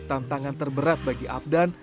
tantangan terberat bagi abdan